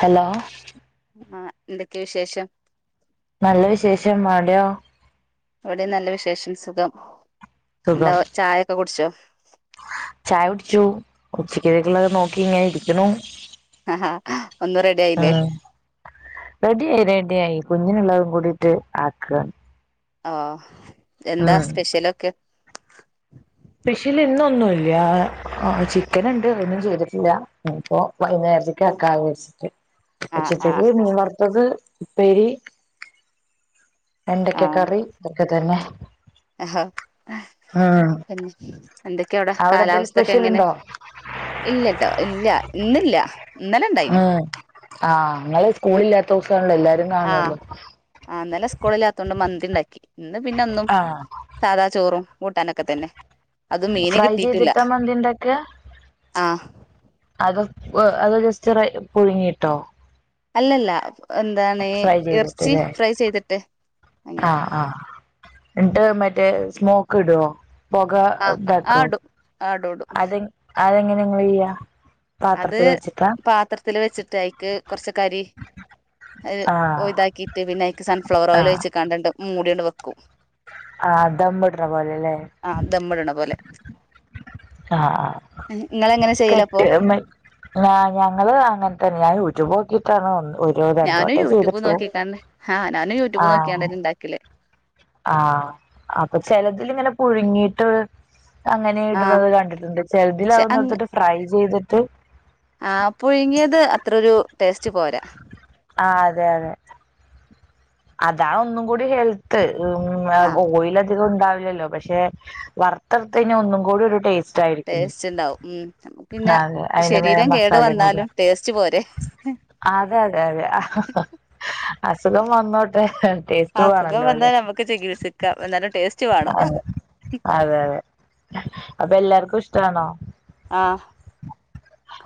Hello ആ എന്തൊക്കെയ വിശേഷം നല്ല വിശേഷം ആട്യോ അവിടെ നല്ല വിശേഷം സുഖം എന്താ സുഖം ചായയക്കെ കുടിച്ചോ ഉച്ചക്കുള്ളൊക്കെ നോക്കി ഇങ്ങനെ ഇരിക്കുന്നു ആഹാ ഒന്നും റെഡി ആ ആയില്ലേ റെഡി ആയി റെഡി ആയി കുഞ്ഞിനുള്ളരും കൂടിട്ട് ആക്കുക ആ എന്താ സ്പെഷ്യലൊക്കെ സ്പെഷ്യൽ ഇന്ന് ഒന്നുല്ല ചിക്കൻ ഉണ്ട് ഒന്നും ചെയ്തിട്ടില്ല ഇനിപ്പോ വൈന്നേര് ത്തേക്ക് ആക്കാ വെര്ച്ചിട്ട് ആ ആ ഉച്ചത്തേക്ക് മീൻ വറുത്തത് ഉപ്പേരി വെണ്ടക്കക്കറി അതൊക്കെ തന്നെ ആ ഉം പിന്നെ എന്തൊക്കെയാ അവിടെ എന്തേലും കാലാവസ്ഥ ഒക്കെ സ്പെഷ്യൽ എങ്ങനെ ഉണ്ടോ ഇല്ലല്ലോ ഇല്ല ഇന്നില്ല ഇന്നലെ ഇണ്ടായിന് ഉം ആഹ് ന്നലെ സ്കൂളില്ലാത്ത ദിവസമാണല്ലോ എല്ലാരും കാണുവല്ലോ സ്കൂളിലാത്തോണ്ട് മന്തി ഉണ്ടാക്കി ഇന്ന് പിന്നെ ഒന്നും ആഹ് സാധാ ചോറും കൂട്ടാനൊക്കെ തന്നെ അത് മീന് ഫ്രൈ കിട്ടീട്ടില്ല ചെയ്തിട്ടാ മന്തി ഉണ്ടാക്കുക ആ അ അത് ജസ്റ്റ് റയ് പുഴുങ്ങിട്ടോ അല്ലല്ല എന്താണ് ഫ്രൈ ചെയ്തിട്ട് ഇറച്ചി അല്ലേ ഫ്രൈ ചെയ്തിട്ട് അങ്ങനെ ആഹ് ആഹ് എന്നിട്ട് മറ്റേ സ്മോക്ക് ഇടുവോ പൊകതാക്കോ ടു ടും അതെങ്ങനെ നിങ്ങള്ൾ ചെയ്യാ അത് പാത്രത്തിൽ വെച്ചിട്ടാ പാത്രത്തില്ൽ വെച്ചിട്ട് അയ്ക്ക് കൊറച്ച്കരി അത് ആഹ് ഇതാക്കിയിട്ട് പിന്നെ എക്ക് സൺഫ്ലവർ ഓയിൽ ആഹ് വെച്ച് കാണ്ട് ആണ്ട് മൂടിയാണ്ട് വെക്കും ആ ദമ്മ്ട്ണപോലെല്ലേ ആ ദമ്മിടണ പോലെ ആ നിങ്ങളെങ്ങനെ കെട്ട ചെയ്യലപ്പോ [unintelligible] ഞ ഞങ്ങള് അങ്ങനെത്തന്നെ ഞാൻ യൂട്യൂബ് നോക്കിട്ടാണ് ന്ന് ഞാനും യൂട്യൂബ് നോക്കണ്ട് ആഹ് ഞാനും യൂട്യൂബ് നോക്കിയാണ്ടന്നെണ്ടാക്കല് ആ അപ്പൊ ചെലതിൽ ഇങ്ങനെ പുഴുങ്ങിട്ട് അങ്ങനെ ആ ഇടുന്നത് കണ്ടിട്ടുണ്ട് ചെലതിൽ പക്ഷെ അഹ് ട്ത്തിട്ട് ഫ്രൈ ചെയ്തിട്ട് ആ പുഴുങ്ങിയത് അത്രരു ടേസ്റ്റ് പോരാ ആ അതെ അതെ അതാ ഒന്നും കൂടി ഹെൽത്ത് ഉം ആ ഓയിൽ അധികം ഉണ്ടാവി ല്ല ല്ലോ പക്ഷെ വറത്ത് എട്ത്തു കഴിഞ്ഞ ഒന്നും കൂടി ടെസ്റ്റ്‌ ടേസ്റ്റ് ഉണ്ടാവും ഉ നമുക്ക് പിന്നെ അതെ അയിന്റെ മേലെ ശരീരം കേടു മസാലയും കൂടി വന്നാലും ടേസ്റ്റ് പോരെ അതെ അതെ അതെ അസുഖം വന്നോ ടേസ്റ്റ് അസുഖം പോണല്ലോല്ലെ വന്നാൽ നമുക്ക് ചികിത്സിക്കാം എന്നാലും ടേസ്റ്റ് വേണം അതെ അതെ അതെ അപ്പൊ എല്ലാർക്കും ഇഷ്ടമാണോ ആ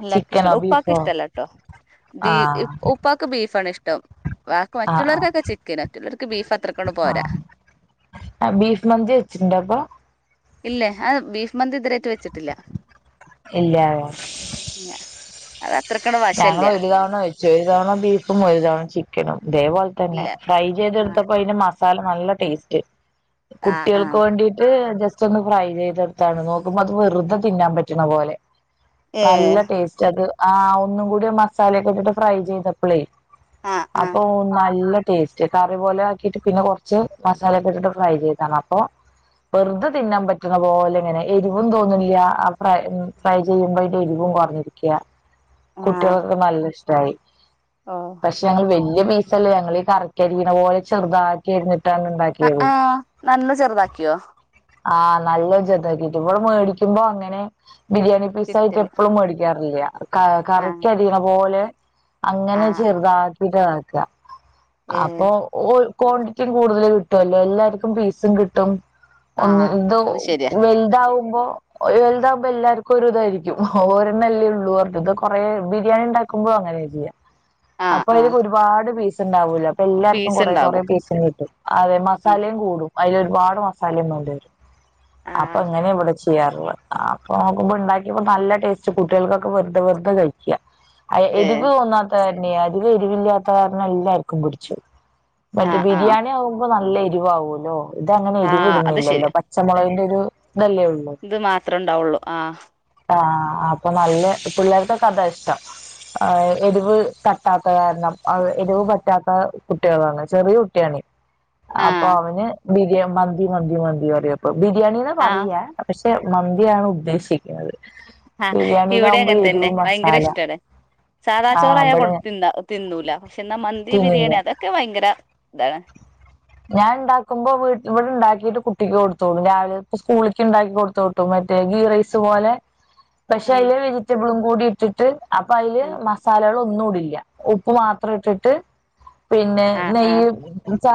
എല്ലർക്കും ഇഷ്ട ചിക്കനോ ഉപ്പക്ക് ബീഫോ ഇഷ്ടല്ല കേട്ടോ ബീ ആഹ് ഉപ്പാക്ക് ബീഫാണ് ഇഷ്ടം ബക്ക് ആഹ് ആഹ് മറ്റുള്ളവർക്കൊക്കെ ചിക്കൻ മറ്റുള്ളവർക്ക് ബീഫ് അത്രക്കൊണ്ട് പോരാ ആ ബീഫ് മന്തി വെച്ചിട്ടുണ്ട അപ്പൊ ഇല്ല അ ബീഫ് മന്തി ഇതിരായിട്ട വെച്ചിട്ടില്ല ഇല്ല [unintelligible] ഞങ്ങ വശല്ല ഒരു തവണ വെച്ചു ഒരു തവണ ബീഫും ഒരു തവണ ചിക്കനും ഇതേപോലെ തന്നെ ഇല്ല ഫ്രൈ ആ ചെയ്തെടുത്തപ്പോ അതിന് മസാല നല്ല ടേസ്റ്റ് ആ ആ കുട്ടികൾക്ക് വേണ്ടീട്ട് ജസ്റ്റ് ഒന്ന് ഫ്രൈ ചെയ്തെടുത്താണ് നോക്കുമ്പോ അത് വെറുതെ തിന്നാൻ പറ്റണ പോലെ ഏ നല്ല ടേസ്റ്റ് അത് ആ ഒന്നും കൂടി മസാലൊക്കെ ഇട്ടിട്ട് ഫ്രൈ ചെയ്തപ്പോളേ ആ ആ അപ്പൊ നല്ല ടേസ്റ്റ് കറി പോലെ ആക്കിട്ട് പിന്നെ കൊറച്ച് മസാല ഒക്കെ ഇട്ടിട്ട് ഫ്രൈ ചെയ്താണ് അപ്പൊ വെറുതെ തിന്നാൻ പറ്റുന്ന പോലെ ഇങ്ങനെ എരിവുംും തോന്നില്ല ഫ്ര ഫ്രൈ ചെയ്യുമ്പോ എരിവും പ്പ് കുറഞ്ഞിരിക്ക. ആ കുട്ട്യാൾക്കൊക്കെ നല്ല ഇഷ്ടായി. ഓ പക്ഷെ ങ്ങള് പീസല്ല ഞങ്ങള് കറക്കരിണ പോലെ ചെറുതാക്കിയിരുന്നു ആ ആഹ നന്ന് ചെറുതാക്കിയോ ആഹ് നല്ല ജതാക്കിട്ട് ഇവിടെ മേടിക്കുമ്പോ അങ്ങനെ ബിരിയാണി പീസ് ആയിട്ട് കിറ്റില് എപ്പഴും മേടിക്കാറ് ല്ല ക ആ കറി പോലെ ആ അങ്ങനെ ആ ചെറുതാക്കിട്ടതക്ക ഏ അപ്പൊ ക്വാണ്ടിറ്റിയും കൂടുതൽ കിട്ടുമല്ലോ എല്ലാർക്കും പീസും കിട്ടും. ആ ഒന്ന് ഇന്ത അത് ശരിയാ വലുതാവ [inaudible] ലുതാവകുമ്പോ എല്ലാർക്കും ഒരുരി ഇതായിരിക്കും ഓരണ്ല്ലേ ഉള്ളൂ ഇ കൊറ [inaudible] ബിരിയാണി ഉണ്ടാക്കുമ്പോ അങ്ങനെ ഇരിക്കുക [unintelligible] അപ്പൊ അതിക്ക് ഒരുപാട് പീസ് ഉണ്ടാവൂല അപ്പൊ എല്ലാർക്കും പീസ് കുറേ കുറേ ഉണ്ടാകും പീസ് കിട്ടും അതെ മസാലയും കൂടും അതിൽ ഒരുപാട് മസാലയും വണ്ട വരും ആ അപ്പൊ ഇങ്ങനെ ഇവിടെ ചെയുന്നെ റുള്ള നക്ക ഉണ്ടാക്കിപ്പോ നല്ല ടസ്റ്റ് കുട്ടികൾക്കൊക്കെറതെ വെറതെ കഴിക്കുക [inaudible] ഏ എരിവ് തോന്നാത്ത കാരനെയ അരിവ് എരിവില്ലാത്ത കാരണം എല്ലാർക്കും പിടിച്ചു ആ മറ്റേ ആ ബിരിയാണി ആവുമ്പോ നല്ല എരിവാവുമല്ലോ ഇത് അങ്ങനെ ആ എരിവി അത് ഇടുന്നില്ലല്ലോ ശരിയാ പച്ചമുള എത് [unintelligible] ഇത് മാത്രേ ഉണ്ടാവുള്ളൂ ആഹ ആഹ അപ്പൊ നല്ല പിള്ളേർക്കൊക്കെ കഥാ ഇഷ്ടം ആ എരീവ് തട്ടാത്ത കാരണം എരിവ് പറ്റാത്ത കുട്ടികളാണ് ചെറിയ കുട്ടിയാണ് ആ അപ്പൊ അവന് ബിരിയാ മന്തി മന്തി മന്തി പറയാപ്പൊ ബിരിയാണിന്ന ആ പറയാ പക്ഷെ മന്തിയാണ് ഉദ്ദേശിക്കുന്നത് ആഹ് ഇവിടെ ബിരിയാണിയിലാവുമ്പോ അങ്ങനെ എരുവ് തന്നെ ഭയങ്കര ഇഷ്ടണ്. സാദാ ചോറായ ഇവിടെ കൊതി തിന്നൂല പക്ഷെ എന്നാ മന്തി തിന്നില്ല ബിരിയാണി അതൊക്കെ ഭയങ്കര, ഇതാണ് ഞാൻ ഉണ്ടാക്കുമ്പോ വീ ഇവിടെ ഉണ്ടാക്കിട്ട് കുട്ടിക്ക് കൊടുത്തോളും രാവിലെ ഇ സ്കൂളിക്ക് ഉണ്ടാക്കി കൊടുത്തുോട്ടും ബേഗി റൈസ് പോലെ പക്ഷെ ആഹ് അതില് വെജിറ്റബിളും കൂടി ഇട്ടിട്ട് അപ്പൊ അതില് മസാലകള ഒന്നും ഉപ്പ് മാത്ര ഇട്ടിട്ട് പിന്നെ ആഹ് നെയ് ആഹ്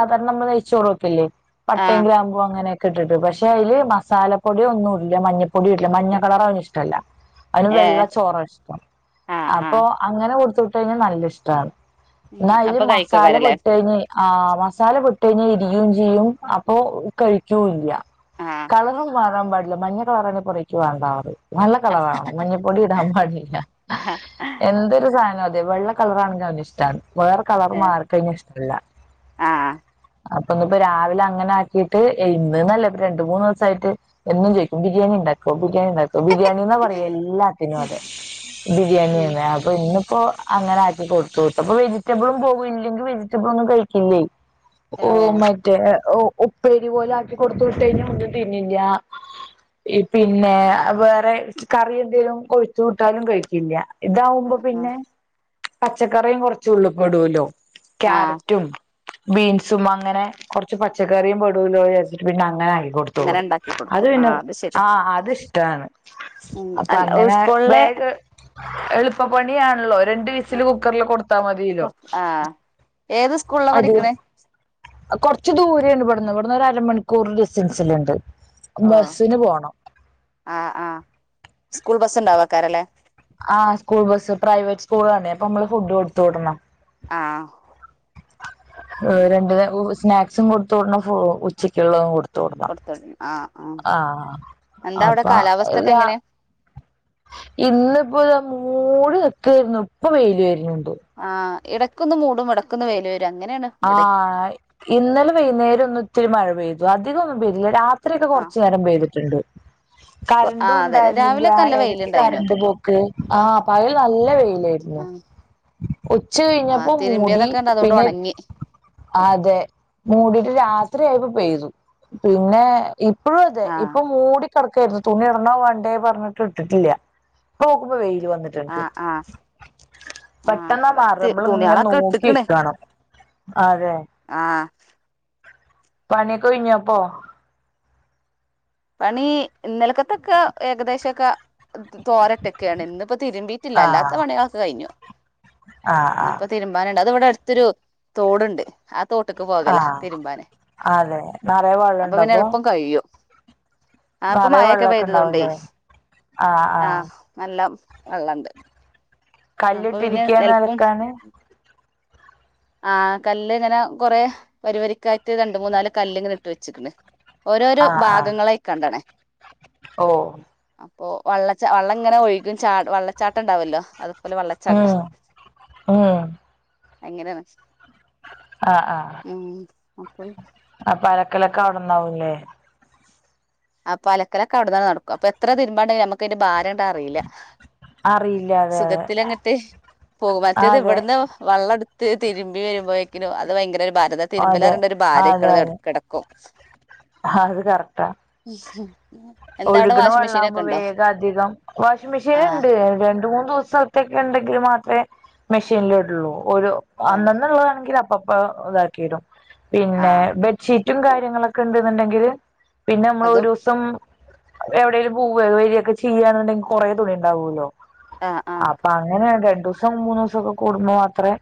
കാരണം നമ്മ നയ്ച്ചോറു വെക്കെല്ലേ ആഹ് പട്ടയും ആഹ് ഗ്രാമ്പൂവും അങ്ങനെെ കിട്ടിട്ട് പക്ഷെ അതില് മസാലപ്പൊടിയ ഒന്നും ഇല്ല മഞ്ഞപ്പൊടിയും ഇല്ല മഞ്ഞ കളർ അവന് ഇഷ്ടമല്ല അവന് ഏഹ് വെള്ളച്ചോറ ഇഷ്ടം ആഹ് അപ്പൊ ആഹ് അങ്ങനെ കൊടുത്ത വിട്ട കഴിഞ്ഞാൽ നല്ല ഇഷ്ടമാണ് ഉം എന്നാ അതില് അപ്പൊ മസാല കഴിക്കോക്കാരല്ലേ പൊട്ട കഴിഞ് ആ് മസാല പൊട്ട കഴിഞ്ഞാൽ ഇരികയും ചെയ്യും അപ്പൊ കഴിക്കൂല്ല. ആഹ് കളറും മാറാൻ പാടില്ല. മഞ്ഞ കളറണെ പുറേക്ക വേണ്ടാറിയും. നല്ല കളറവണം മഞ്ഞപ്പൊടി ഇടാൻ പാടില്ല എന്തൊരു സാനം അത് അതെ വെള്ള കളറാണെങ്കിൽ അവന് ഇഷ്ട വേറെ കളർ ഏഹ് മാറി കഴിഞ്ഞ ഇഷ്ടല്ല ആഹ് അപ്പൊ ഇന്നിപ്പോ രാവിലെ അങ്ങനെ ആക്കിയിട്ട് ഇന്ന് ന്നല്ല രണ്ട് മൂന്ന് ദിവസയിട്ട് എന്നും ചോയിക്കും ബിരിയാണി ഇൻ ഇണ്ടാക്കോ ബിരിയാണി ഇണ്ടാക്കോ ബിരിയാണി ന്നാ പറയാ എല്ലാത്തിനും അതെ ബിരിയാണി ഉം ആഹ് ഇന്ന് അപ്പൊ അങ്ങനെ ആക്കി കൊടുത്തു വിട്ട് അപ്പൊ വെജിറ്റബിളും പോകൂ ഇല്ലെങ്കിൽ വെജിറ്റബിള ഒന്നും കഴിക്കില്ലേ ഓഹ് ഏഹ് മറ്റേ ഉപ്പേരി പോലെ ആക്കി കൊടുത്ത വിട്ട കഴിഞ്ഞാ ഒന്നും തിന്നില്ല പിന്നെ വേറെ കറി എന്തേലും കൊടുത്തു വിട്ടാലും കഴിക്കില്ല ഇതാവുമ്പോ ആഹ് പിന്നെ പച്ചക്കറിയും കുറച്ച് ഉള്ളിപെടുല്ലോ ആഹ് ക്യാരറ്റും ബീൻസും അങ്ങനെ കൊർച്ച് പച്ചക്കറിയും പെടൂല്ലോ പിന്നെ അങ്ങനെയി ടുത്ത് ഇങ്ങനെ വിടും ഇണ്ടാക്കി അത് കൊടുക്കും പിന്നെ ആഹ് ശരി ആഹ് അത് ഉം അപ്പ അല്ല അങ്ങനെ സ്കൂളിലെ വേഗ എളുപ്പ പണിയാണല്ലോ രണ്ട് വിസില് കുക്കർല് കൊടുത്താ മതില്ലോ ആഹ് ഏത് സ്കൂളില പഠിക്കണേ കുറച്ചു ദൂരെയാണ് ഇവിടുന്ന് ഇവിടുന്ന് ഒരു അര മണിക്കൂർ ഡിസ്റ്റൻസിലിണ്ട് ഓഹ് ആഹ് ആഹ് സ്കൂൾ ബസ്സ് ഉണ്ടാവാക്കാരല്ലേ ആഹ് സ്കൂൾ ബസ്സ് പ്രൈവറ്റ് സ്കൂൾ ആണേ അപ്പൊ നമ്മള് ഫുഡ് കൊടുത്ത് വിടണം ആഹ് ഏഹ് രണ്ട്നെ സ്നാക്സും കൊടുത്ത്ടണം ഉച്ചക്കുള്ളതും കൊട തുടണം കൊടുത്തു ആഹ് ആഹ് എന്താ അവിടെ അപ്പൊ കാലാവസ്ഥൊക്കെ ല്ലാ എങ്ങനെ ഇന്നിപ്പോ താ മൂടി നിക്കായിരുന്നു ഇപ്പൊ വെയില് വരുന്നു ആഹ് ഇടക്കന്ന് മൂടും ഇടക്കന്ന് വെയിൽ വരും അങ്ങനെയാണ് ഇവിടെ ആഹ് ഇന്നലെ വൈന്നേരം ഒന്നും ത്തിരി മഴ പെയ്തു അധികന്നും പെയ്ത് ല്ലാ രാ ത്രിയൊക്കെ ആ കൊർച് നേരം പെയ്തിട്ടുണ്ട് കൊ- ആ കറണ്ടും അതെ ഉണ്ടായിരുന്നില്ല രാവിലെക്കെ നല്ല എടക്ക് വെയിലുണ്ടായിനു കറണ്ട് പോക്ക് ആഹ് പകൽ നല്ല വെയിലായിരുന്നു ആഹ് ഉച്ച കഴിഞ്ഞപ്പോ മൂടി ഉണ്ട് അതുകൊണ്ട് പിന്നെ ഉണങ്ങി ആതെ മൂടിട്ട് രാത്രിയായപ്പം പെയ്തു പിന്നെ ഇപ്പളും അതെ ആ ഇപ്പം മൂടി കട്ക്കാരുന്നു തുണി ഇടണോ വാണ്ടേ പറ്ഞ്ഞിട്ട് ഇട്ടിട്ടില്ല. ഇപ്പോ നോക്കുമ്പോ വെയി ല്‌ ആ വന്നിട്ട്ണ്ട് ആ ആ പെട്ടെന്നാട് ഇവിടെ മാറും തി- മ്മള് ഇങ്ങെന് നോക്കിക്കണം ആഹ് പണിയൊക്കെ കഴിഞ്ഞ് അപ്പൊ പണി ഇന്നലക്കത്തൊക്കാ ഏകദേശൊക്കാ ത് ത് തോരട്ടക്കാണ് ഇന്ന്പ്പം തിരുമ്പീയിട്ടില്ല അല്ലാത്ത ആഹ് പണികളൊക്ക കഴിഞ്ഞു ആഹ് ഇഞ്ഞ്പ്പൊ ആഹ് തിര്മ്പാന്ണ്ട് അത് ഇവടെ അട്ത്തൊരു തോട്ണ്ട് ആഹ് തോട്ട്ക്ക് പോകെലാ ആഹ് തിരുമ്പാന് അതെ നിറയെ അപ്പൊ വെള്ളണ്ടോ പിന്നെ എള്പ്പം കയ്യും ആഹ് ഇപ്പം നിറയെ മഴെക്കെ വെള്ളമൊക്കെ പെയ്തതോണ്ടേ ഉണ്ടാവുംല്ലേ ആഹ് നല്ലം വെള്ളണ്ട് അപ്പൊ പിന്നെ കല്ലിട്ടിരിക്കയാന്ന് അലക്കാന് [unintelligible] ആഹ് കല്ല് ഇങ്ങനെ കൊറേ വരിവരിക്കായിട്ട് രണ്ട്, മൂന്ന്, നാല്, കല്ല്ങ്ങനെ ഇട്ട് വെച്ച്ക്ക്ണ് ഓരോരോ ഭാഗങ്ങളായിക്കാണ്ടാണ് ഓഹ് ഓഹ് വള്ളച്ചാ വള്ളങ്ങനെ ഒഴുകും ചാ വള്ളച്ചാട്ടണ്ടാവല്ലോ അത് ഉം ഉം അങ്ങനെയാണ് ഉം അപ്പള് അപ്പം അലക്കലൊക്ക അവടണ്ടാവുല്ലേ അപ്പൊ അലക്കലൊക്കെ അവിടെന്നന്നെ നടക്കും. അപ്പൊ എത്ര തിര്മ്പാണ്ടെങ്കിലും നമ്മക്കയിന്റെ ഭാരാട്ട് അറീയില്ലാ അറിയില്ല അതെ സുഖത്തിൽ അങ്ങട്ട് പോകും മറ്റത് അതെ ഇവിടുന്ന് വെള്ളം എടു ത്ത് തിരുമ്പി വരുമ്പോഴേക്കും അത് ഭയങ്കര ഭാരത തിരുമ്പല അതെ ഇറണ്ട ഒരു അതെ അതെ ഭാര്യക്കത് അതെ കിടക്കും അത് കറക്റ്റാ [unintelligible] എന്താ അവിടെ ഒഴുകണ വാഷിംഗ് മെഷീൻ വെള്ളാകുമ്പോ ഒക്കെ ഉണ്ടോ വേഗം അധികം വാഷിംഗ മെഷീൻ ആ ഉണ്ട് രണ്ട് മൂന്ന് ദിവസത്തേക്ക് ഉണ്ടെങ്കിൽ മാ ത്രമേ മെഷീനിട്ള്ളൂ ഒരു ആ അന്നന്ന ഉള്ളതാണെങ്കിൽ അപ്പപ്പ ഇതാക്കി ഇടും ആ പിന്നെ ബെഡ്ഷീറ്റും കാര്യങ്ങളൊക്കെ ഉണ്ടെന്നുണ്ടെങ്കില് പിന്നെ നമ്മൾ ഒരു അതും ദിവസം എവിടെേലും പോവയ വരിയൊക്കെ ചെയ്യാനുണ്ടെങ്കിൽ കൊറെ തുണി ഉണ്ടാവല്ലോ ആഹ് ആഹ് അപ്പൊ അങ്ങനെയ രണ്ടു ദിവസം മൂന്ന് ദിവസംക്കെ കൂടുമ്പോ മാത്രേ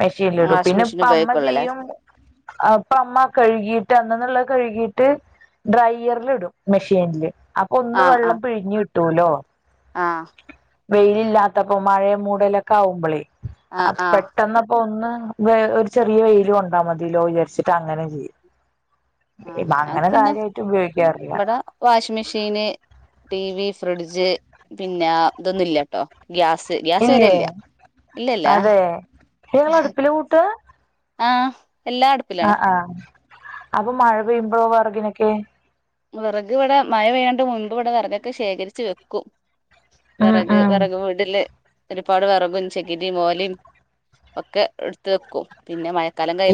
മെഷീനൽ ഇടു വാഷിംഗ് പിന്നെ മെഷീൻ ഇപ്പം അമ്മ ഉപയോഗിക്കുള്ളൂല്ലേ ചെയ്യും അപ്പ അമ്മ കഴുകിട്ട് അന്നന്നുള്ള കഴുകിട്ട് ഡ്രയ്യറൽ ഇടും മെ ല് അപ്പൊ ഒന്ന് വെള്ളം പിഴിഞ്ഞു കിട്ടൂലോ ആ വെയിലില്ലാത്തപ്പോ മഴയും മൂടലൊക്കെ ആവുമ്പോളേ ആഹ് ആ ആഹ് പെട്ടെന്ന്പ്പോ ഒന്ന് ഒരു ചെറിയ വെയിലും കൊണ്ടാ മതില്ലോന്ന് വിചാരിച്ചിട്ട് അങ്ങനെ ചെയ്യും ആഹ് ഇപ്പ അങ്ങനെ ഞങ്ങക്ക് പിന്നെ കാര്യയിട്ട് ഉപയോഗിക്കാറില്ല മഷീന് ടി വി ഫ്രിഡ്ജ് പിന്നെ ഇതൊന്നുംല്ലട്ടോ ഗ്യാസ് ഗ്യാസ് ഇല്ലേ വരല്ല ഇല്ലല്ല അതെ നിങ്ങള് അടുപ്പില് കൂട്ടാ ആഹ് എല്ലാ ആ അടുപ്പിലാണ് അപ്പൊ മഴ പെയ്യുമ്പോഴോ വിറക്നൊക്കെ വിറക് ഇവിടെ മഴ പെയ്യാണ്ട് മുൻപ് ഇവിടെ വിറകൊക്കെ ശേഖരിച്ച് വെക്കും ഉം വിറക് ഉം വിറക് വീടല് ഒരുപാട് വിറകും ചകിരിയും ഒലയും ഒക്കെ എടുത്ത് വെക്കും പിന്നെ മ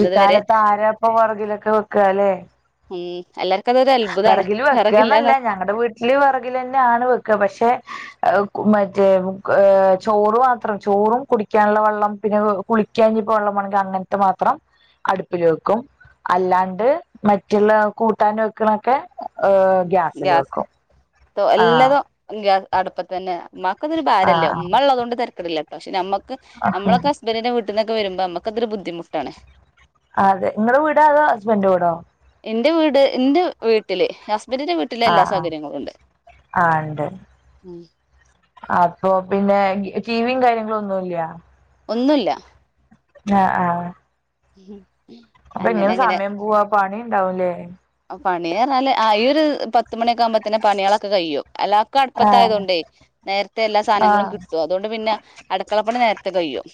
ഈ കാലത്ത് ആരാപ്പൊ പുറകിലൊക്കെ വെയ്ക്ക അല്ലേ എല്ലർക്കും അതോ വിറകിൽ വെക്കുകന്നല്ല ഞങ്ങളടെ വീട്ടില് വിറകിൽ തന്നെ ആണ് വെക്കാ പക്ഷെ മറ്റേ ചോറ് മാത്രം ചോറും കുടിക്കാനുള്ള വെള്ളം പിന്നെ കുളിക്കാന് കൊള്ള മനക്ക് അങ്നക്കെ മാത്രം അടുപ്പിൽ വെക്കും അല്ലാണ്ട് മറ്റുള്ള കൂട്ടാൻ വെക്കണൊക്കെ ഏഹ് ഗ്യാസിൽ വെക്കും ആഹ് എല്ലാതോ അടുപ്പിൽ തന്നെ ഉമ്മാക്ക് അതൊരു ഭാരല്ല ആഹ് ഉമ്മ ഉള്ളത് കൊണ്ട് ത പക്ഷെ നമ്മുക്ക് ആഹ് നമ്മളൊക്കെ ഹസ്ബൻഡറിന്റെ വീട്ടിൽന്നൊക്കെ വരുമ്പോ നമുക്കൊരു ബുദ്ധിമുട്ടാണ് അതെ നിങ്ങളടെ വീടോ അതോ ഹസ്ബൻഡ് വീടോ എന്റെറെ വീട് എന്റെ വീട്ടില് ഹസ്ബൻഡിന്റെ വീട്ടില് എല്ലാ ആഹ് ആഹ് സൗകര്യങ്ങളും ഉണ്ട് ആഹ് ഇണ്ട് ഉം അപ്പൊ പിന്നെ ടിവിയും കാര്യങ്ങളും ഒന്നുംല്ല ഒന്നുല്ല ആഹ് ആഹ് ഉം അപ്പൊ അങ്ങനെ എങ്ങനെ അങ്ങനെ സമയം പോവാ പണി ഉണ്ടാവൂലേ പണിറഞ്ഞാല് ആഹ് ഈ ഒരു പത്ത് ക്കാമ്പത്തിനെ പണികളൊക്കെ കഴിയും എല്ലാവർക്കും അടുപ്പത്ത ആയതു ആഹ് കൊണ്ടേ നേരത്തെ എല്ലാ സാധനങ്ങളും ആഹ് കിട്ടും അതുകൊണ്ട് പിന്നെ അടുക്കള പണി നേരത്തെ കഴിയും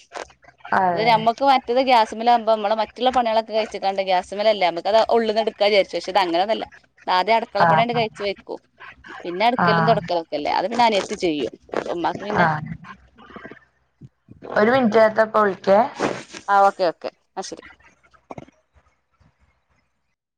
അതെ നമുക്ക് മറ്റേത് ഗ്യാസ് മില ആകുമ്പ നമ്മ മറ്റുള്ള പണികളൊക്കെ കഴിച്ചിക്കാണ്ട് ഗ്യാസു മേലേ അല്ലേ അത് ഉള്ളന്ന് എടുക്കാമെന്ന് വിചാരിച്ചേഅങ്ങനെന്നല്ല ആ ആദ്യം അടക്കളപ്പണിയങ്ങ ആഹ് കഴിച്ച് വെക്കും പിന്നെ അടുക്കലും ആഹ് തുടക്കലൊക്കെല്ലേ അത് പിന്നെ അനിയത്തി ചെയ്യും ഉമ്മാക്ക് പിന്നെ ആഹ് ഒരു മിന ഇപ്പോ വിളിക്കാ വേ അ ശരി